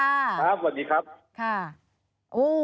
สวัสดีครับ